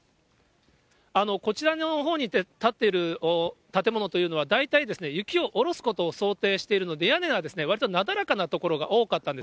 こちらのほうに建っている建物というのは、大体ですね、雪を下ろすことを想定しているので、屋根がわりとなだらかな所が多かったんです。